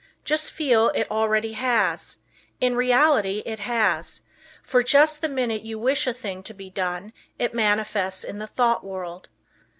Just feel it already has, in reality it has, for just the minute you wish a thing to be done it manifests in the thought world.